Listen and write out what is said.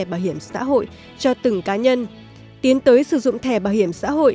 bảo hiểm xã hội cho từng cá nhân tiến tới sử dụng thẻ bảo hiểm xã hội